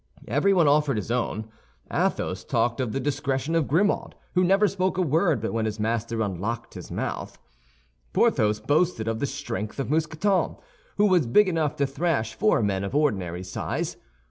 Everyone offered his own. Athos talked of the discretion of Grimaud, who never spoke a word but when his master unlocked his mouth. Porthos boasted of the strength of Mousqueton, who was big enough to thrash four men of ordinary size.